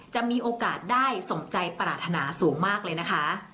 จะมีโอกาสได้สมใจปรารถนาสูงมากเลยนะคะ